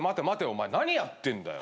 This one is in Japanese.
お前何やってんだよ！？